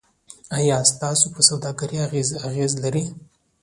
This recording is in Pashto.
آیا سیاست په سوداګرۍ اغیز لري؟